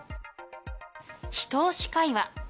一押し会話。